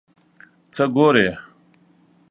څه ګورې ؟